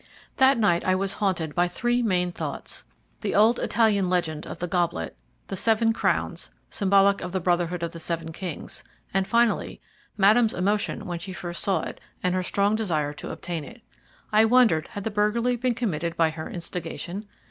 That night I was haunted by three main thoughts: the old Italian legend of the goblet; the seven crowns, symbolic of the Brotherhood of the Seven Kings; and, finally, Madame's emotion when she first saw it, and her strong desire to obtain it. I wondered had the burglary been committed by her instigation?